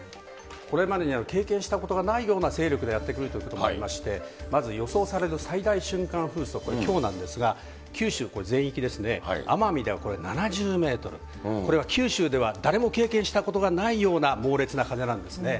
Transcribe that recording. これまでに経験したことがないような勢力でやって来るということもありまして、まず予想される最大瞬間風速、きょうなんですが、九州、これ全域ですね、奄美では７０メートル、これは九州では誰も経験したことがないような猛烈な風なんですね。